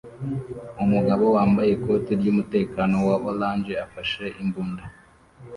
Umugabo wambaye ikoti ryumutekano wa orange afashe imbunda